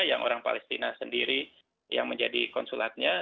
yang orang palestina sendiri yang menjadi konsulatnya